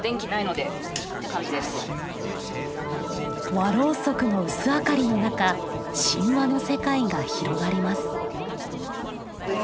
和ろうそくの薄明かりの中神話の世界が広がります。